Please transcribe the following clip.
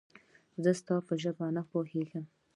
زه ستا په ژبه نه پوهېږم